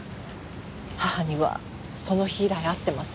母にはその日以来会ってません。